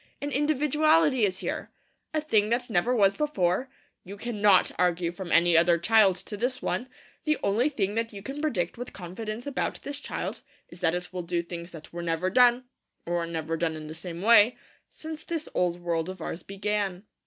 An individuality is here; a thing that never was before; you cannot argue from any other child to this one; the only thing that you can predict with confidence about this child is that it will do things that were never done, or never done in the same way, since this old world of ours began.